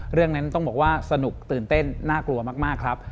เรื่องนั้นต้องบอกว่าสนุกตื่นเต้นน่ากลัวมากครับ